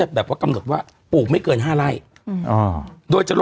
อืมอืมอืมอืม